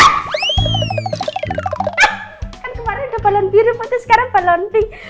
kan kemarin udah balon biru makanya sekarang balon pink